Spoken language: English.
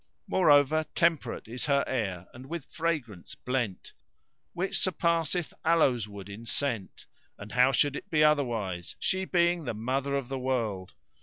Moreover temperate is her air, and with fragrance blent, Which surpasseth aloes wood in scent; and how should it be otherwise, she being the Mother of the World?